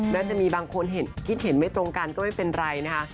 แม้จะมีบางคนคิดเห็นไม่ตรงกันก็ไม่เป็นไรนะคะ